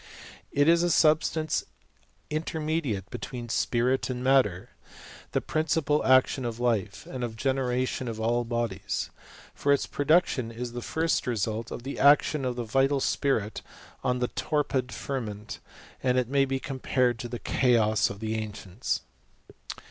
It is a substance intermediate between spirit and matter, the principle of action of life, and of generation of all bodies ; for its production is the first result of the action of the vital spirit on the torpid ferment, and it may be compared to the chaos of th^ ancients.